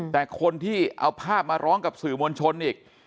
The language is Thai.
แต่คนที่เอาภาพมาร้องกับสื่อมวลชนอีก